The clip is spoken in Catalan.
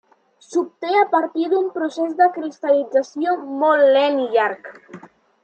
S'obté a partir d'un procés de cristal·lització molt lent i llarg.